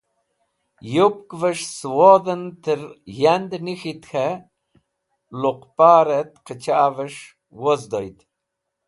Yupkẽves̃h cẽ wodhẽn tẽr yand nik̃ht k̃hẽ luqparẽt qẽchvẽs̃h wozdoyd.